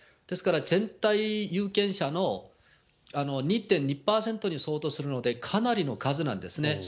ですから、全体有権者の２．２％に相当するので、かなりの数なんですね。